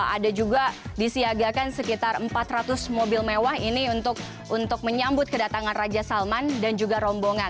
ada juga disiagakan sekitar empat ratus mobil mewah ini untuk menyambut kedatangan raja salman dan juga rombongan